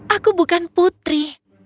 aku bukan putri